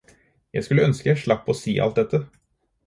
Jeg skulle ønske at jeg slapp å si alt dette.